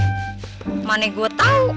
kemana gue tau